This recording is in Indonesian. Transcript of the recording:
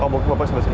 oh bapak sebelumnya